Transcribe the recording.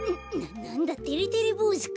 ななんだてれてれぼうずか。